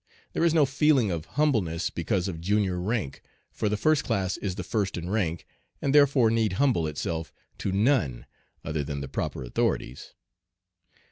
There is no feeling of humbleness because of junior rank, for the first class is the first in rank, and therefore need humble itself to none other than the proper authorities.